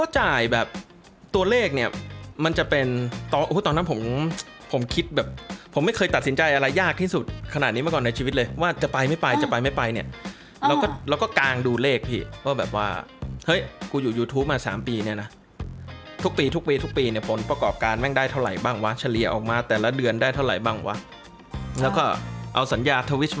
จ่ายแบบตัวเลขเนี่ยมันจะเป็นตอนนั้นผมผมคิดแบบผมไม่เคยตัดสินใจอะไรยากที่สุดขนาดนี้มาก่อนในชีวิตเลยว่าจะไปไม่ไปจะไปไม่ไปเนี่ยเราก็กางดูเลขพี่ว่าแบบว่าเฮ้ยกูอยู่ยูทูปมา๓ปีเนี่ยนะทุกปีทุกปีทุกปีเนี่ยผลประกอบการแม่งได้เท่าไหร่บ้างวะเฉลี่ยออกมาแต่ละเดือนได้เท่าไหร่บ้างวะแล้วก็เอาสัญญาทวิช